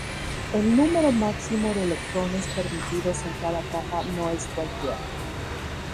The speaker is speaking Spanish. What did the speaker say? El número máximo de electrones permitidos en cada capa no es cualquiera.